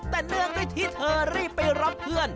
แต่เนื่องด้วยที่เธอรีบไปรับเพื่อน